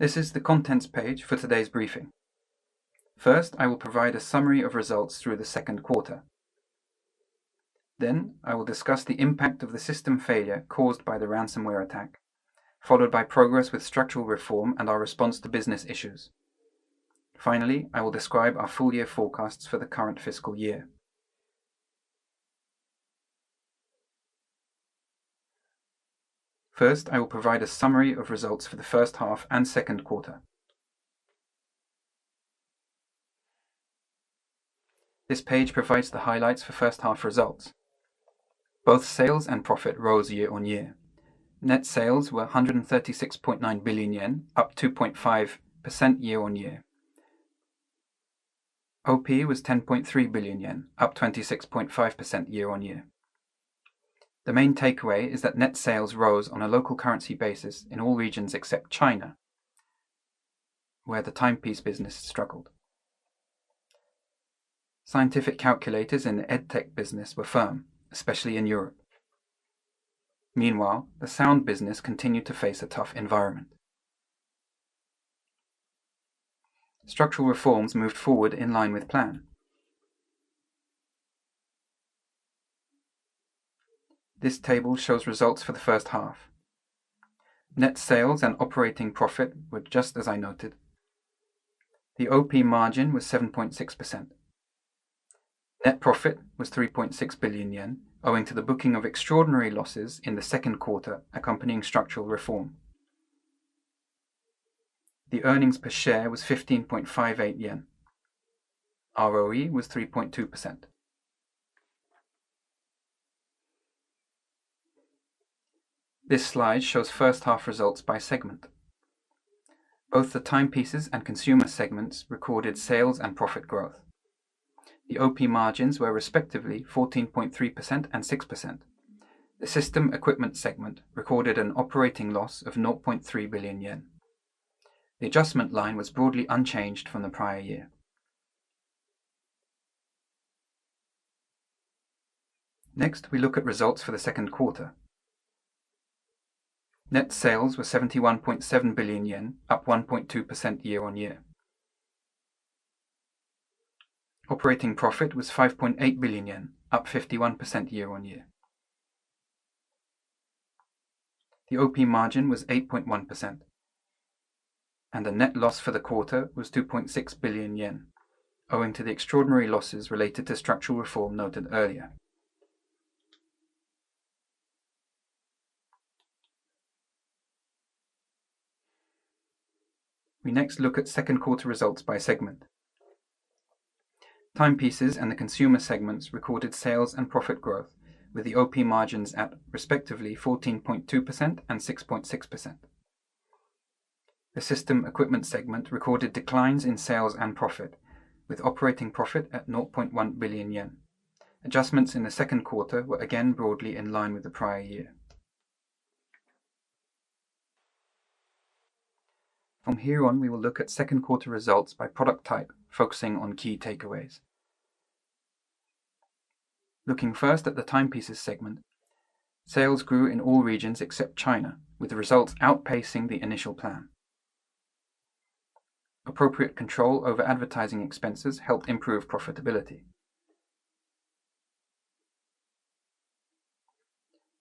This is the contents page for today's briefing. First, I will provide a summary of results through the second quarter. Then, I will discuss the impact of the system failure caused by the ransomware attack, followed by progress with structural reform and our response to business issues. Finally, I will describe our full-year forecasts for the current fiscal year. First, I will provide a summary of results for the first half and second quarter. This page provides the highlights for first-half results. Both sales and profit rose year-on-year. Net sales were 136.9 billion yen, up 2.5% year-on-year. OP was 10.3 billion yen, up 26.5% year-on-year. The main takeaway is that net sales rose on a local currency basis in all regions except China, where the timepiece business struggled. Scientific calculators in the EdTech business were firm, especially in Europe. Meanwhile, the sound business continued to face a tough environment. Structural reforms moved forward in line with plan. This table shows results for the first half. Net sales and operating profit were just as I noted. The OP margin was 7.6%. Net profit was 3.6 billion yen, owing to the booking of extraordinary losses in the second quarter accompanying structural reform. The earnings per share was 15.58 yen. ROE was 3.2%. This slide shows first-half results by segment. Both the timepieces and consumer segments recorded sales and profit growth. The OP margins were respectively 14.3% and 6%. The system equipment segment recorded an operating loss of 0.3 billion yen. The adjustment line was broadly unchanged from the prior year. Next, we look at results for the second quarter. Net sales were 71.7 billion yen, up 1.2% year-on-year. Operating profit was 5.8 billion yen, up 51% year-on-year. The OP margin was 8.1%, and the net loss for the quarter was 2.6 billion yen, owing to the extraordinary losses related to structural reform noted earlier. We next look at second-quarter results by segment. Timepieces and the consumer segments recorded sales and profit growth, with the OP margins at respectively 14.2% and 6.6%. The system equipment segment recorded declines in sales and profit, with operating profit at 0.1 billion yen. Adjustments in the second quarter were again broadly in line with the prior year. From here on, we will look at second-quarter results by product type, focusing on key takeaways. Looking first at the timepieces segment, sales grew in all regions except China, with the results outpacing the initial plan. Appropriate control over advertising expenses helped improve profitability.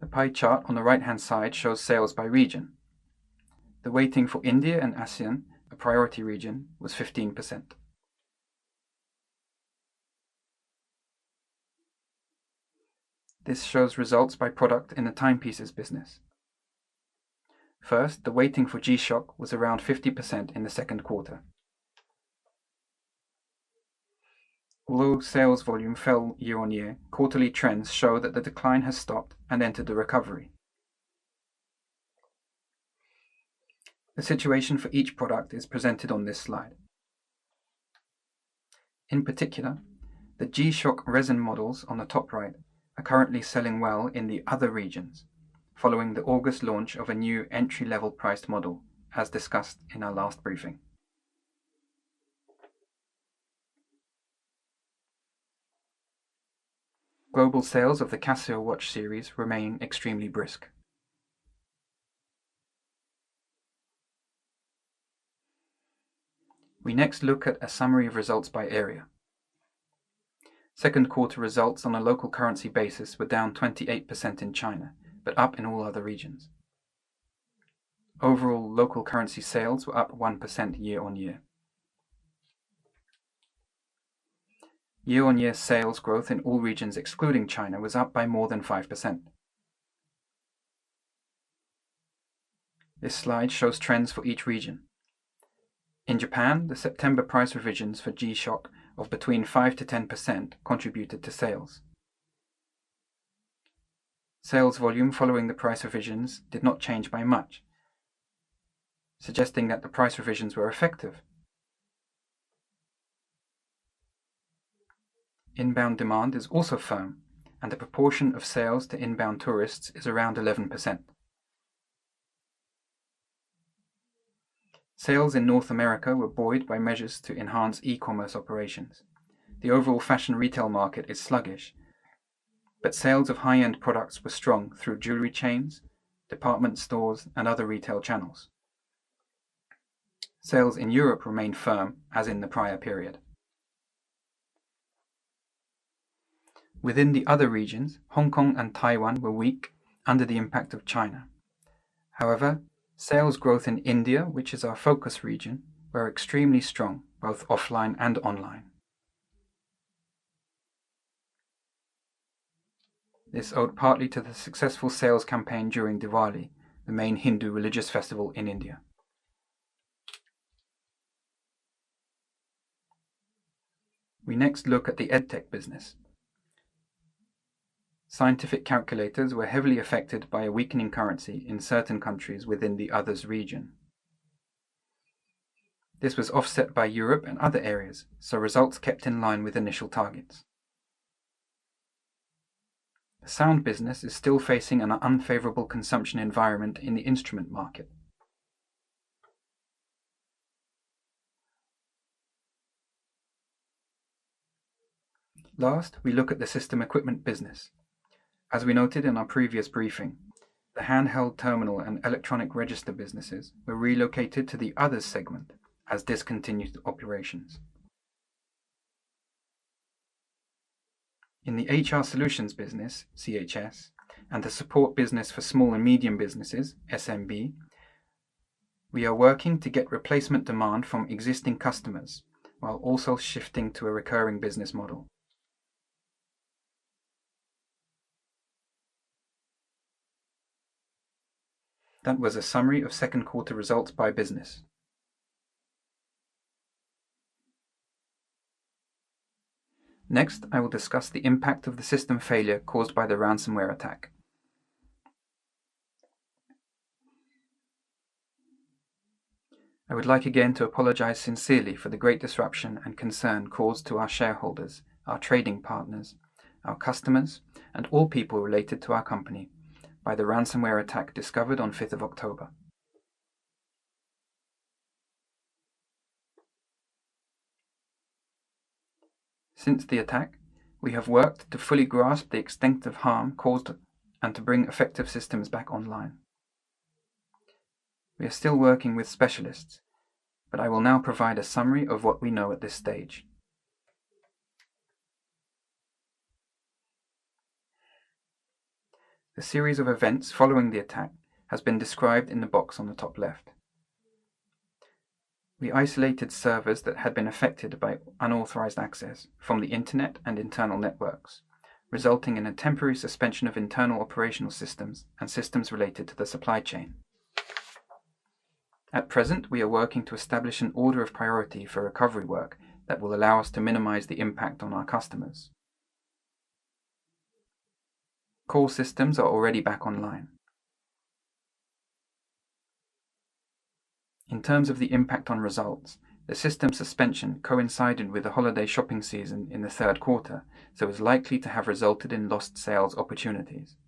The pie chart on the right-hand side shows sales by region. The weighting for India and ASEAN, a priority region, was 15%. This shows results by product in the timepieces business. First, the weighting for G-SHOCK was around 50% in the second quarter. Although sales volume fell year-on-year, quarterly trends show that the decline has stopped and entered a recovery. The situation for each product is presented on this slide. In particular, the G-SHOCK resin models on the top right are currently selling well in the other regions, following the August launch of a new entry-level priced model, as discussed in our last briefing. Global sales of the Casio Watch Series remain extremely brisk. We next look at a summary of results by area. Second-quarter results on a local currency basis were down 28% in China, but up in all other regions. Overall, local currency sales were up 1% year-on-year. Year-on-year sales growth in all regions excluding China was up by more than 5%. This slide shows trends for each region. In Japan, the September price revisions for G-SHOCK of between 5%-10% contributed to sales. Sales volume following the price revisions did not change by much, suggesting that the price revisions were effective. Inbound demand is also firm, and the proportion of sales to inbound tourists is around 11%. Sales in North America were buoyed by measures to enhance e-commerce operations. The overall fashion retail market is sluggish, but sales of high-end products were strong through jewelry chains, department stores, and other retail channels. Sales in Europe remained firm as in the prior period. Within the other regions, Hong Kong and Taiwan were weak under the impact of China. However, sales growth in India, which is our focus region, was extremely strong, both offline and online. This owed partly to the successful sales campaign during Diwali, the main Hindu religious festival in India. We next look at the EdTech business. Scientific calculators were heavily affected by a weakening currency in certain countries within the Others region. This was offset by Europe and other areas, so results kept in line with initial targets. The sound business is still facing an unfavorable consumption environment in the instrument market. Last, we look at the system equipment business. As we noted in our previous briefing, the handheld terminal and electronic register businesses were relocated to the Others segment as discontinued operations. In the HR solutions business, CHS, and the support business for small and medium businesses, SMB, we are working to get replacement demand from existing customers while also shifting to a recurring business model. That was a summary of second-quarter results by business. Next, I will discuss the impact of the system failure caused by the ransomware attack. I would like again to apologize sincerely for the great disruption and concern caused to our shareholders, our trading partners, our customers, and all people related to our company by the ransomware attack discovered on October 5. Since the attack, we have worked to fully grasp the extent of harm caused and to bring effective systems back online. We are still working with specialists, but I will now provide a summary of what we know at this stage. The series of events following the attack has been described in the box on the top left. We isolated servers that had been affected by unauthorized access from the internet and internal networks, resulting in a temporary suspension of internal operational systems and systems related to the supply chain. At present, we are working to establish an order of priority for recovery work that will allow us to minimize the impact on our customers. Call systems are already back online. In terms of the impact on results, the system suspension coincided with the holiday shopping season in the third quarter, so it was likely to have resulted in lost sales opportunities.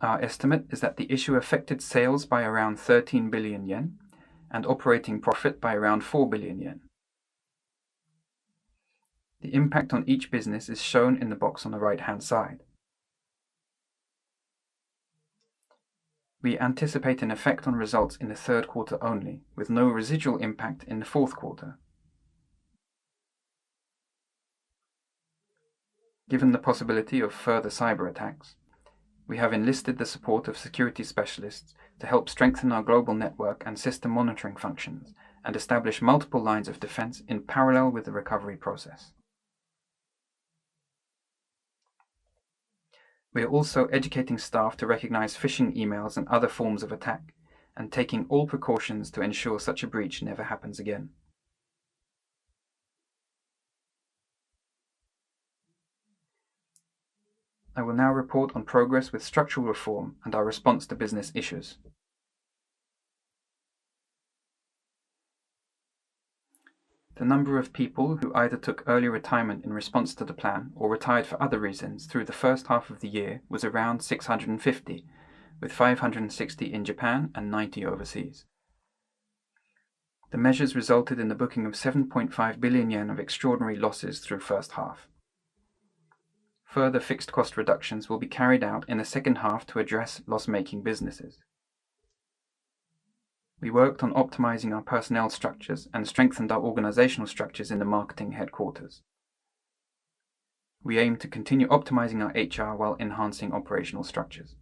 Our estimate is that the issue affected sales by around 13 billion yen and operating profit by around 4 billion yen. The impact on each business is shown in the box on the right-hand side. We anticipate an effect on results in the third quarter only, with no residual impact in the fourth quarter. Given the possibility of further cyberattacks, we have enlisted the support of security specialists to help strengthen our global network and system monitoring functions and establish multiple lines of defense in parallel with the recovery process. We are also educating staff to recognize phishing emails and other forms of attack and taking all precautions to ensure such a breach never happens again. I will now report on progress with structural reform and our response to business issues. The number of people who either took early retirement in response to the plan or retired for other reasons through the first half of the year was around 650, with 560 in Japan and 90 overseas. The measures resulted in the booking of 7.5 billion yen of extraordinary losses through first half. Further fixed cost reductions will be carried out in the second half to address loss-making businesses. We worked on optimizing our personnel structures and strengthened our organizational structures in the marketing headquarters. We aim to continue optimizing our HR while enhancing operational structures.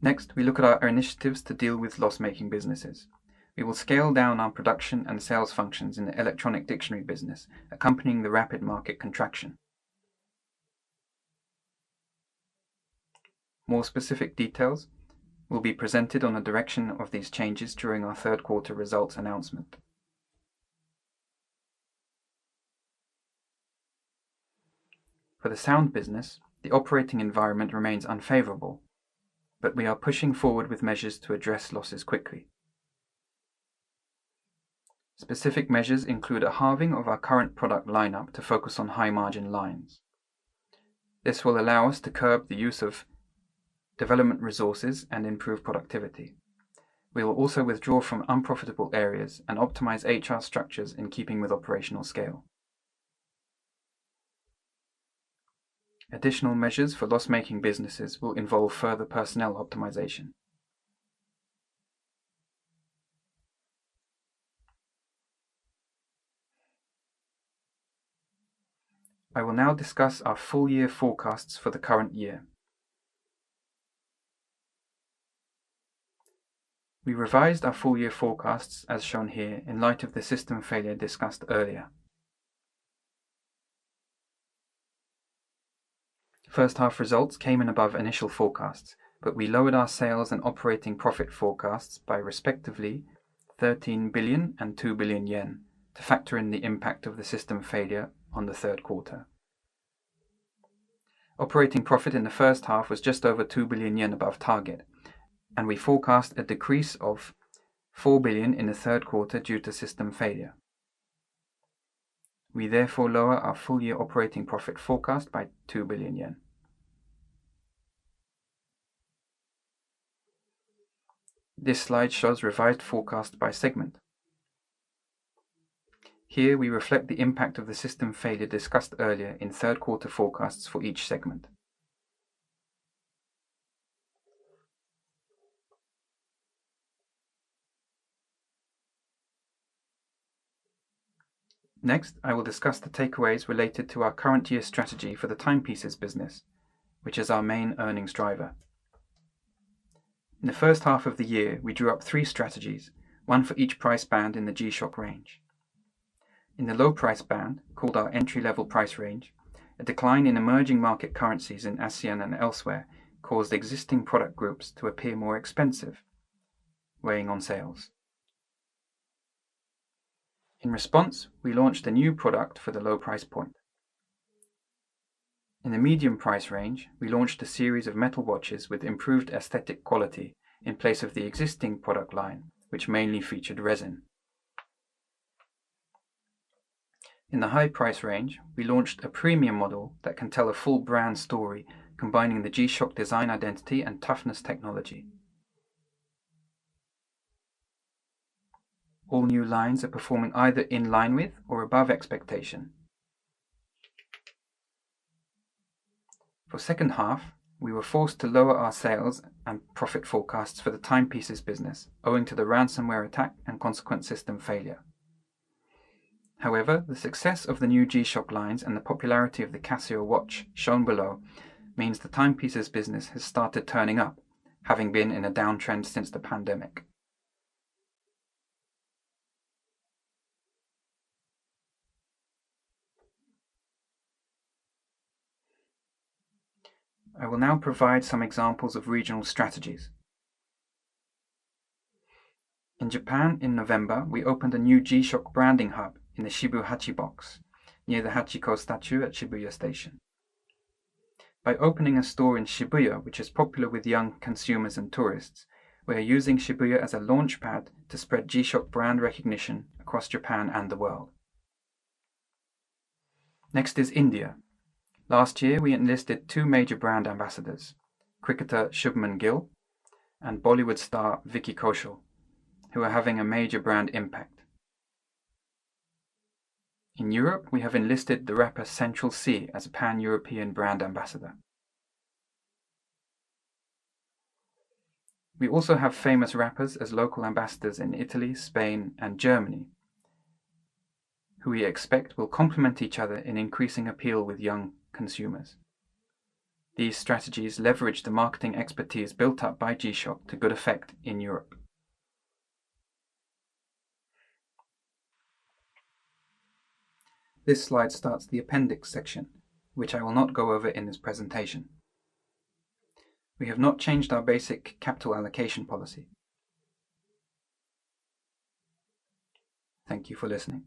Next, we look at our initiatives to deal with loss-making businesses. We will scale down our production and sales functions in the electronic dictionary business, accompanying the rapid market contraction. More specific details will be presented on the direction of these changes during our third-quarter results announcement. For the sound business, the operating environment remains unfavorable, but we are pushing forward with measures to address losses quickly. Specific measures include a halving of our current product lineup to focus on high-margin lines. This will allow us to curb the use of development resources and improve productivity. We will also withdraw from unprofitable areas and optimize HR structures in keeping with operational scale. Additional measures for loss-making businesses will involve further personnel optimization. I will now discuss our full-year forecasts for the current year. We revised our full-year forecasts, as shown here, in light of the system failure discussed earlier. First-half results came in above initial forecasts, but we lowered our sales and operating profit forecasts by respectively 13 billion and 2 billion yen to factor in the impact of the system failure on the third quarter. Operating profit in the first half was just over 2 billion yen above target, and we forecast a decrease of 4 billion in the third quarter due to system failure. We therefore lower our full-year operating profit forecast by 2 billion yen. This slide shows revised forecast by segment. Here, we reflect the impact of the system failure discussed earlier in third-quarter forecasts for each segment. Next, I will discuss the takeaways related to our current-year strategy for the timepieces business, which is our main earnings driver. In the first half of the year, we drew up three strategies, one for each price band in the G-SHOCK range. In the low price band, called our entry-level price range, a decline in emerging market currencies in ASEAN and elsewhere caused existing product groups to appear more expensive, weighing on sales. In response, we launched a new product for the low price point. In the medium price range, we launched a series of metal watches with improved aesthetic quality in place of the existing product line, which mainly featured resin. In the high price range, we launched a premium model that can tell a full brand story, combining the G-SHOCK design identity and toughness technology. All new lines are performing either in line with or above expectation. For second half, we were forced to lower our sales and profit forecasts for the timepieces business owing to the ransomware attack and consequent system failure. However, the success of the new G-SHOCK lines and the popularity of the Casio Watch shown below means the timepieces business has started turning up, having been in a downtrend since the pandemic. I will now provide some examples of regional strategies. In Japan, in November, we opened a new G-SHOCK branding hub in the Shibu Hachi Box, near the Hachiko statue at Shibuya Station. By opening a store in Shibuya, which is popular with young consumers and tourists, we are using Shibuya as a launchpad to spread G-SHOCK brand recognition across Japan and the world. Next is India. Last year, we enlisted two major brand ambassadors: cricketer Shubman Gill and Bollywood star Vicky Kaushal, who are having a major brand impact. In Europe, we have enlisted the rapper Central Cee as a pan-European brand ambassador. We also have famous rappers as local ambassadors in Italy, Spain, and Germany, who we expect will complement each other in increasing appeal with young consumers. These strategies leverage the marketing expertise built up by G-SHOCK to good effect in Europe. This slide starts the appendix section, which I will not go over in this presentation. We have not changed our basic capital allocation policy. Thank you for listening.